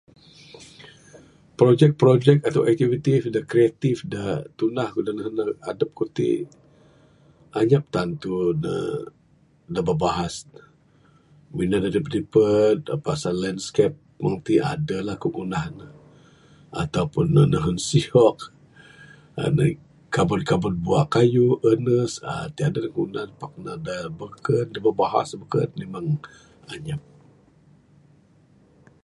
Projek projek ato aktiviti da kreatif da tundah ku' da nehun adup kuk tik, anyap tantu ne. Da babahas, mina da dipu't dipu't. Pasal landscape mung ti, aduh la kuk ngundah ne. Atau pun ne nehun sea hawk, uhh kabut kabut buak kayuh, penes uhh tik aduh ku ngundah ne pak da babahas bekun memang anyap.